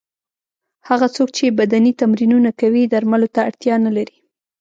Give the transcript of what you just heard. هغه څوک چې بدني تمرینونه کوي درملو ته اړتیا نه لري.